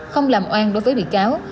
không làm oan đối với bị cáo